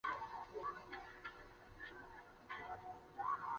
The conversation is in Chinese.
这次好贵